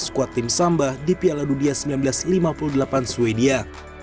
skuad tim samba di piala dunia seribu sembilan ratus lima puluh delapan sweden